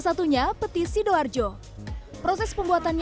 satunya petis sidoarjo proses pembuatannya